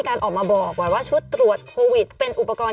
ขอเล่าให้ฟังค่ะ